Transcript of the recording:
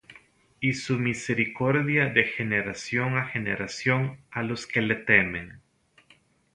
Y su misericordia de generación á generación A los que le temen.